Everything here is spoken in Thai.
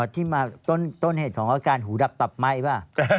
ที่มาต้นเหตุของอาการหูดับตับไหม้ป่ะ